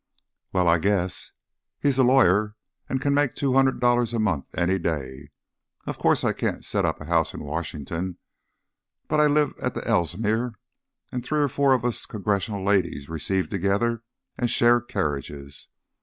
"Well, I guess! He's a lawyer and can make two hundred dollars a month any day. Of course I can't set up a house in Washington, but I live at the Ellsmere, and three or four of us Congressional ladies receive together and share carriages.